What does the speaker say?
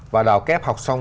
và đào kép học xong